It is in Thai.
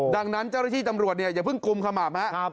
ดังนั้นเจ้าระชีตำรวจเนี่ยอย่าเพิ่งกลุ่มคำอาบนะครับ